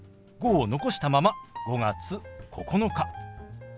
「５」を残したまま「５月９日」。